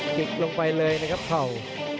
หยิบลงไปเลยนะครับเข่า